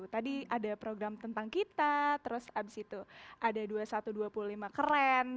tadi ada program tentang kita terus abis itu ada dua ribu satu ratus dua puluh lima keren